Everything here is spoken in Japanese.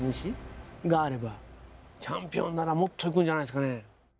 チャンピオンならもっといくんじゃないですかね。